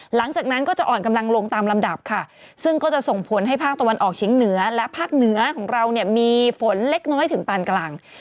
หลังจากนั้นก็จะอ่อนกำลังลงตามลำดับค่ะซึ่งก็จะส่งผลให้ภาคตะวันออกเฉียงเหนือและภาคเหนือของเราเนี่ยมีฝนเล็กน้อยถึงปานกลาง